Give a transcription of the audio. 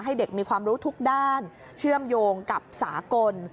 ให้เด็กมีความรู้ทุกด้านเชื่อมโยงกับสากล